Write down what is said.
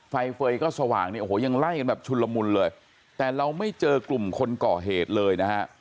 ไฟเฟย์ก็สว่างเนี่ยโอ้โหยังไล่กันแบบชุนละมุนเลยแต่เราไม่เจอกลุ่มคนก่อเหตุเลยนะฮะ